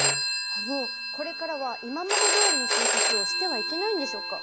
あのこれからは今までどおりの生活をしてはいけないんでしょうか？